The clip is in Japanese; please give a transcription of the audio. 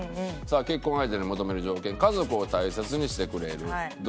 「結婚相手に求める条件家族を大切にしてくれる動物好き」